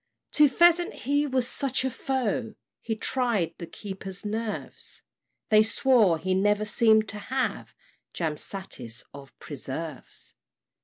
To pheasant he was such a foe, He tried the keepers' nerves; They swore he never seem'd to have Jam satis of preserves.